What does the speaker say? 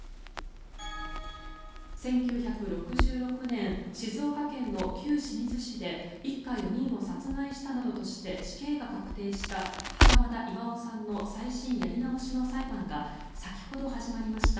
１９６６年、静岡県の旧清水市で一家４人を殺害したなどとして死刑が確定した袴田巌さんの再審やり直しの裁判が先ほど始まりました。